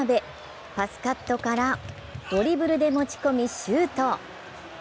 パスカットからドリブルで持ち込みシュート。